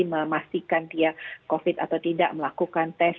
memastikan dia covid atau tidak melakukan tes